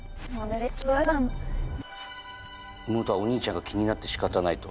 妹はお兄ちゃんが気になって仕方ないと。